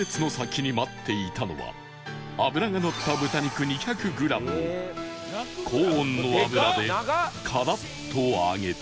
脂がのった豚肉２００グラムを高温の油でカラッと揚げ